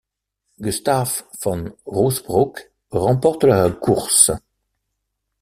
Gustaaf Van Roosbroeck remporte la course.